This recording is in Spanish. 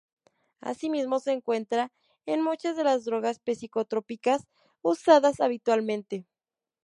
Asimismo se encuentra en muchas de las drogas psicotrópicas usadas habitualmente.